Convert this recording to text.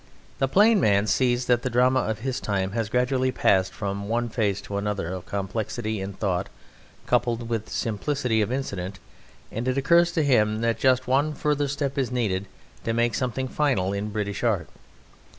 The plain man sees that the drama of his time has gradually passed from one phase to another of complexity in thought coupled with simplicity of incident, and it occurs to him that just one further step is needed to make something final in British art.